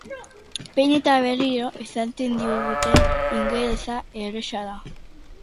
Behin eta berriro esaten digute ingelesa erraza dela.